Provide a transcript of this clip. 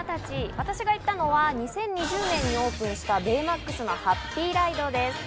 私が行ったのは２０２０年にオープンした、ベイマックスのハッピーライドです。